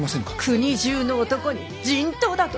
国中の男に人痘だと！？